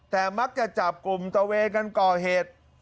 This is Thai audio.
แต่มักจะจับกลุ่มตะเวกันก่อเหตุ